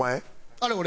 あれ俺。